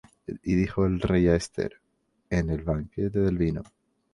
Y dijo el rey á Esther en el banquete del vino: